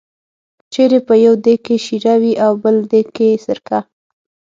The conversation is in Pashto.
که چېرې په یو دېګ کې شېره وي او بل دېګ کې سرکه.